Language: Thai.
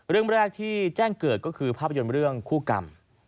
เรื่องแรกที่แจ้งเกิดก็คือภาพยนตร์เรื่องคู่กรรม